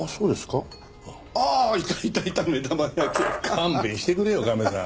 勘弁してくれよカメさん。